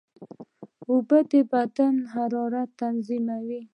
اوبه د بدن حرارت تنظیموي.